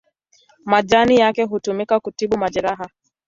Majani yake hutumika kutibu majeraha.